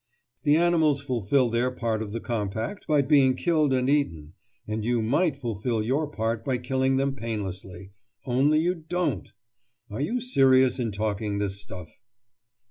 The animals fulfil their part of the compact by being killed and eaten, and you might fulfil your part by killing them painlessly—only you don't! Are you serious in talking this stuff?